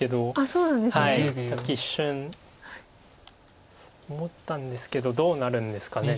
さっき一瞬思ったんですけどどうなるんですかね。